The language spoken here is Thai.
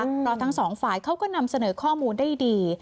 เพราะทั้งสองฝ่ายเขาก็นำเสนอข้อมูลได้ดี